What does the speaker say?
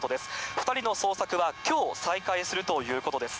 ２人の捜索はきょう、再開するということです。